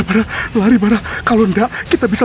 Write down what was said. malam dari zaman tészak nova bahasa